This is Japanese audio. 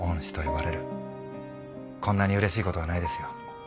こんなにうれしい事はないですよ。